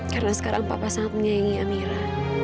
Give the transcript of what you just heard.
karena sekarang papa sangat menyayangi amira